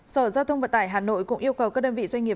sở giao thông vận tải hà nội cũng yêu cầu các đơn vị doanh nghiệp